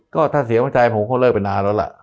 ก็ถ้าเสียใจผมก็เลิกไปนานแล้วล่ะ